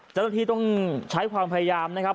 โอ้โหพังเรียบเป็นหน้ากล่องเลยนะครับ